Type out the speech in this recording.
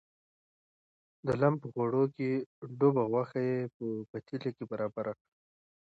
د لم په غوړو کې ډوبه غوښه یې په پتیله کې برابره کړه.